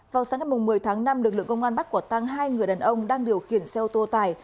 vào sáng ngày một mươi tháng năm lực lượng công an bắt quả tăng hai người đàn ông đang điều khiển xe ô tô tải